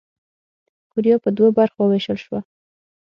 کوریا پر دوو برخو ووېشل شوه.